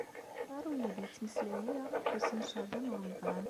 Ayɣer ur iyi-d-ittmeslay ara Lḥusin n Caɛban u Ṛemḍan?